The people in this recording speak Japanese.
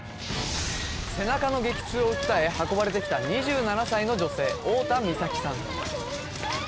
背中の激痛を訴え運ばれてきた２７歳の女性太田美咲さん